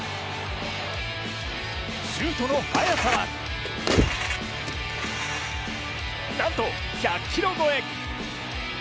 シュートの速さはなんと１００キロ超え！